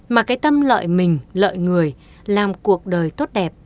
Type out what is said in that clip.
mà cái tâm lợi mình lợi người làm cuộc đời tốt đẹp